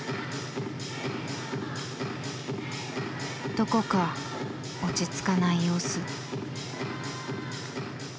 どこか落ち着かない様子。